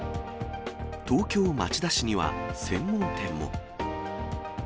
東京・町田市には、専門店も。